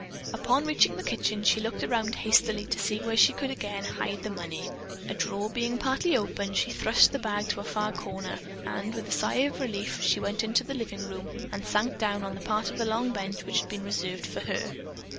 Upon reaching the kitchen she looked around hastily to see where she could again hide the money. A drawer being partly open, she thrust the bag to a far corner and, with a sigh of relief, she went into the living room and sank down on the part of the long bench which had been reserved for her.